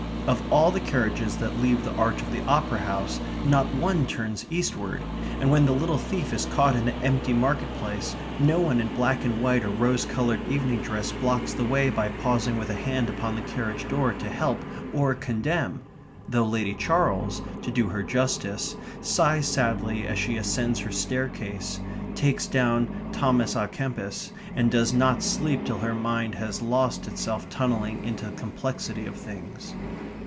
Of all the carriages that leave the arch of the Opera House, not one turns eastward, and when the little thief is caught in the empty market place no one in black and white or rose coloured evening dress blocks the way by pausing with a hand upon the carriage door to help or condemn though Lady Charles, to do her justice, sighs sadly as she ascends her staircase, takes down Thomas a Kempis, and does not sleep till her mind has lost itself tunnelling into the complexity of things.